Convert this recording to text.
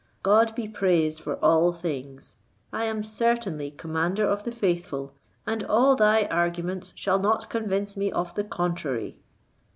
God be praised for all things! I am certainly commander of the faithful, and all thy arguments shall not convince me of the contrary."